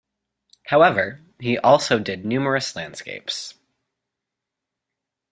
However he also did numerous landscapes.